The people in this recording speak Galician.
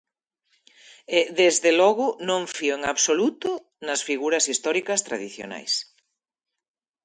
E desde logo non fío en absoluto nas figuras históricas tradicionais.